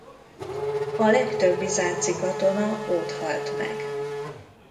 A legtöbb bizánci katona ott halt meg.